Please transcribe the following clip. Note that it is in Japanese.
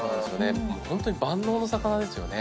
ホントに万能の魚ですよね。